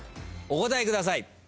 お答えください。